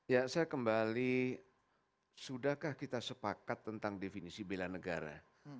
ya saya kembali sudahkah kita sepakat tentang definisi bela negara